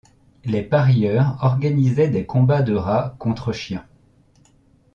Les parieurs organisaient des combats de rats contre chiens.